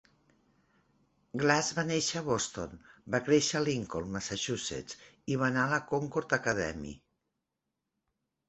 Glass va néixer a Boston, va créixer a Lincoln, Massachussetts, i va anar a la Concord Academy.